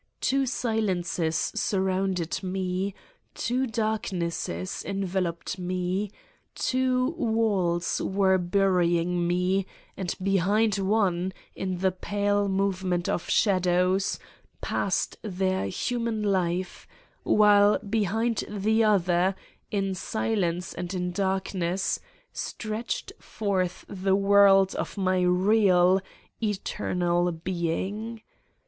Two silences surrounded Me, two darknesses enveloped me. Two walls were burying me, and behind one, in the pale move ment of shadows, passed their human life, while behind the other, in silence and in darkness stretched forth the world of my real, eternal being.